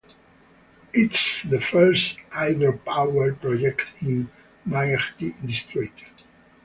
It is the first hydropower project in Myagdi district.